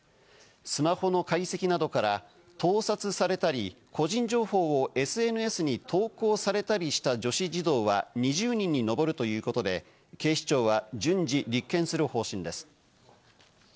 スマホの解析などから、盗撮されたり、個人情報をＳＮＳに投稿されたりした女子児童は２０人に上るということで、警視庁は順次立件する方針です。